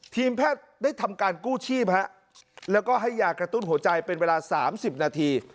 ทีมแพทย์ได้ทำการกู้ชีพแล้วก็ให้ยากระตุ้นหัวใจเป็นเวลา๓๐นาที